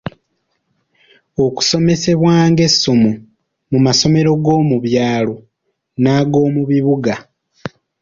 Okusomesebwa ng'essomo mu masomero g'omu byalo n'ag’omu bibuga.